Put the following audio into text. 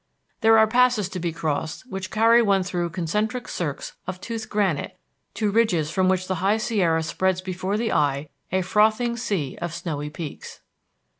There are passes to be crossed which carry one through concentric cirques of toothed granite to ridges from which the High Sierra spreads before the eye a frothing sea of snowy peaks.